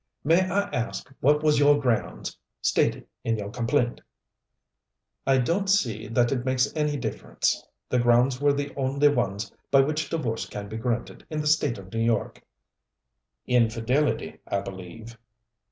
"May I ask what was your grounds, stated in your complaint?" "I don't see that it makes any difference. The grounds were the only ones by which divorce can be granted in the State of New York." "Infidelity, I believe?"